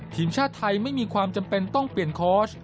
ทีมชาติไทยไม่มีความจำเป็นต้องเปลี่ยนคอร์ส